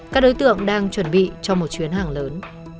các đối tượng đang chuẩn bị cho một chuyến hàng lớn